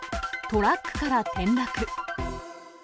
トラックから転落。